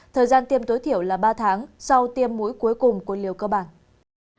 thời gian tiêm tối thiểu là ba tháng sau tiêm mũi cuối cùng của liều cơ bản